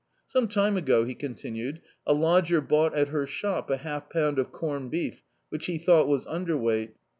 Some time ago," he continued, "a lodger bought at her shop a half pound of combeef, which he thought was underwei^t.